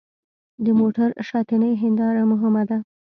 د موټر شاتنۍ هېنداره مهمه ده.